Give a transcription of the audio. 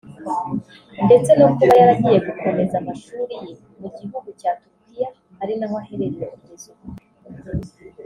ndetse no kuba yaragiye gukomeza amashuri ye mu gihugu cya Turikiya ari naho aherereye kugeza ubu